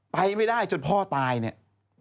ไปไม่ได้จนพ่อตายเนี่ย